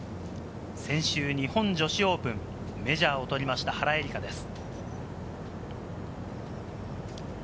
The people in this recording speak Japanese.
先週、日本女子オープン、メジャーをとりました、原英莉花です。